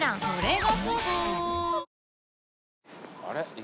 あれ？